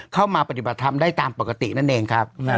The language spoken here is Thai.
เข้ามาปฏิบัติธรรมได้ตามปกตินั่นเองครับ